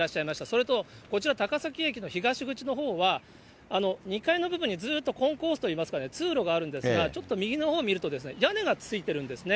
それとこちら、高崎駅の東口のほうは、２階の部分にずっとコンコースといいますかね、通路があるんですが、ちょっと右のほう見ると、屋根がついてるんですね。